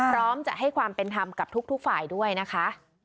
พร้อมจะให้ความเป็นธรรมกับทุกฝ่ายด้วยนะคะ